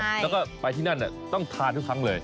แล้วก็ไปที่นั่นต้องทานทุกครั้งเลย